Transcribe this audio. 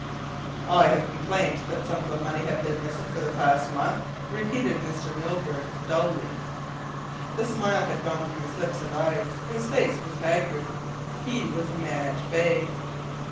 "I have complained that sums of money have been missing for the past month?" repeated Milburgh dully. The smile had gone from his lips and eyes. His face was haggard he was a man at bay.